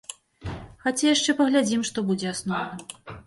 Хаця яшчэ паглядзім, што будзе асноўным!